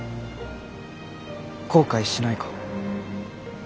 後悔しないか。